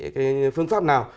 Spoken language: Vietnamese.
cái phương pháp nào